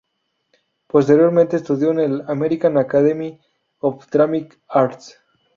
Posteriormente estudió en la American Academy of Dramatic Arts.